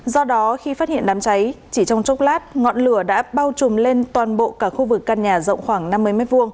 do đó khi phát hiện đám cháy chỉ trong chốc lát ngọn lửa đã bao trùm lên toàn bộ cả khu vực căn nhà rộng khoảng năm mươi m hai